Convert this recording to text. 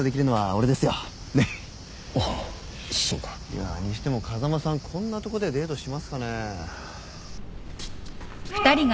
いやにしても風間さんこんなとこでデートしますかね？